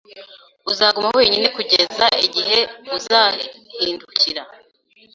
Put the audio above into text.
uzaguma wenyine kugeza igihe uzahindukira